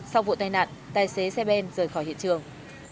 sau vụ tai nạn tài xế xe ben rời khỏi hiện trường